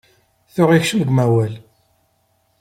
Tuɣ ikcem deg umawal.